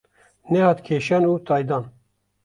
Nehat kêşan û taydan.